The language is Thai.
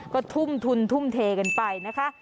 ก็ทุ่มทุนทุ่มเทกันไปนะคะ